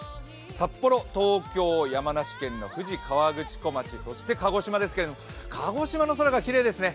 札幌、東京、山梨県の富士河口湖町、そして鹿児島ですけども、鹿児島の空がきれいですね。